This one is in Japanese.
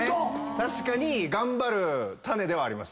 確かに頑張る種ではあります。